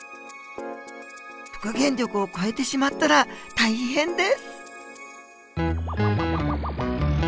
復元力を超えてしまったら大変です！